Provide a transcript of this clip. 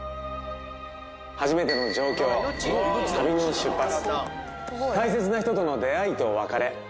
初めての上京旅の出発大切な人との出会いと別れ。